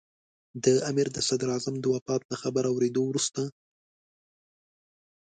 امیر د صدراعظم د وفات له خبر اورېدو وروسته.